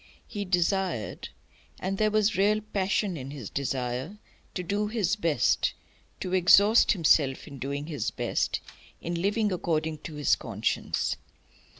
He desired and there was real passion in his desire to do his best, to exhaust himself in doing his best, in living according to his conscience.